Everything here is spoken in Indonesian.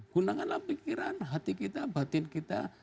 gunakanlah pikiran hati kita batin kita